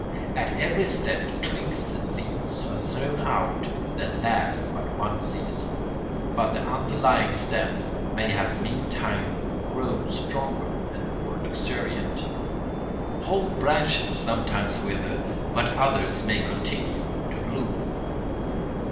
At every step twigs and leaves are thrown out that last but one season; but the underlying stem may have meantime grown stronger and more luxuriant. Whole branches sometimes wither, but others may continue to bloom.